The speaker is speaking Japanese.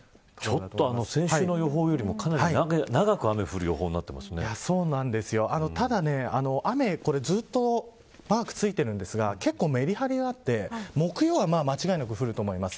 ちょっと先週の予報よりもかなり長く雨が降る予報にただ、雨ずっとマークついているんですが結構メリハリがあって木曜は間違いなく降ると思います。